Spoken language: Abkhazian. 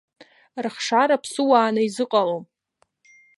Рыхшара ԥсыуааны изыҟалом.